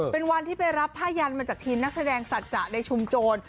เป็นวันที่ไปรับผ้ายันมาจากทีมนักแสดงสัจจะในชุมโจร